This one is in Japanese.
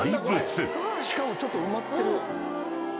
しかもちょっと埋まってる。